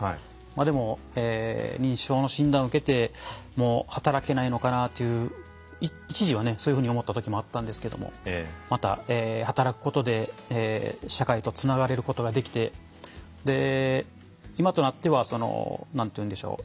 まあでも認知症の診断を受けて働けないのかなという一時はそういうふうに思った時もあったんですけどもまた働くことで社会とつながれることができて今となってはその何て言うんでしょう